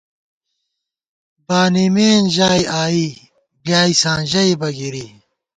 بانِمېن ژائی آئی بۡلیائیساں ژَئیبہ گِرِی